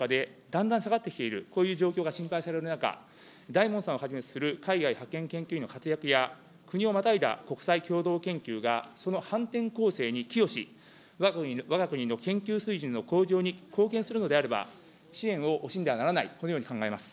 わが国の研究力が世界の中でだんだん下がってきているという状況が心配される中、だいもんさんをはじめとする海外派遣研究員の活躍や、国をまたいだ国際共同研究が、その反転攻勢に寄与し、わが国の研究水準の向上に貢献するのであれば、支援を惜しんではならない、このように考えます。